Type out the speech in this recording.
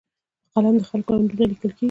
په قلم د خلکو اندونه لیکل کېږي.